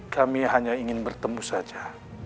kami hanya ingin bertemu saja